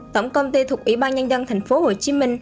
tổng công ty thuộc ủy ban nhân dân tp hcm